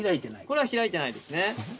これは開いてないですね。